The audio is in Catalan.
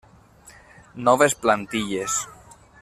Noves plantilles.